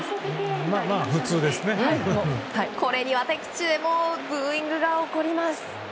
これには敵地でもブーイングが起こります。